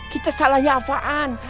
kita salah nyafaan